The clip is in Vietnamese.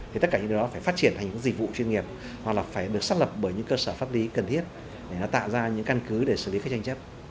thì tất cả những điều đó phải phát triển thành những dịch vụ chuyên nghiệp hoặc là phải được xác lập bởi những cơ sở pháp lý cần thiết để nó tạo ra những căn cứ để xử lý các tranh chấp